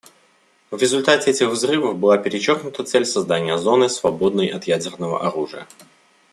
В результате этих взрывов была перечеркнута цель создания зоны, свободной от ядерного оружия.